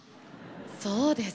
そうですか。